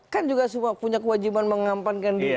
kan juga semua punya kewajiban mengampankan diri